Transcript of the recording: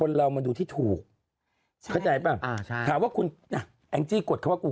ต้องเลือกต้องเลือกคือนี่เขาก็